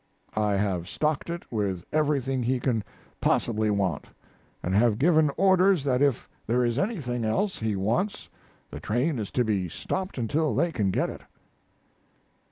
I have stocked it with everything he can possibly want, and have given orders that if there is anything else he wants the train is to be stopped until they can get it."